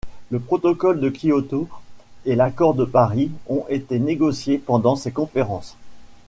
Le Protocole de Kyoto et l'Accord de Paris ont été négociés pendant ces conférences.